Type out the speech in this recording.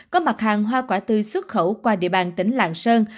có mặt hàng hoa quả tươi xuất khẩu qua địa bàn tỉnh lạng sơn